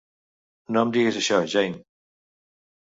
No em diguis això, Jane.